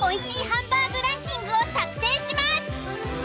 ハンバーグランキングを作成します。